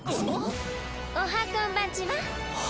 おはこんばんちは。